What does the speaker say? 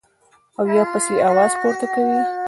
او يا پسې اواز پورته کوي -